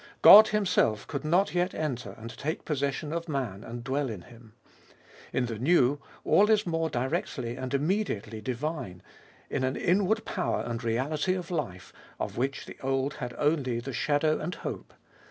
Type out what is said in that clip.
God Himself could not yet enter and take possession of man and dwell in him. In the New all is more directly and immediately divine — in an inward power and reality and life, of which the Old had only the shadow and hope.